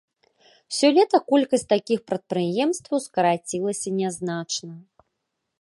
Сёлета колькасць такіх прадпрыемстваў скарацілася нязначна.